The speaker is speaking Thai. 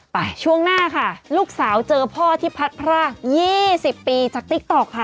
ช่วงหน้าค่ะลูกสาวเจอพ่อที่พัดพราก๒๐ปีจากติ๊กต๊อกค่ะ